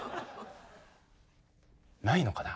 ないのかな？